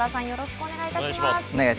よろしくお願いします。